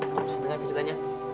kamu senang gak ceritanya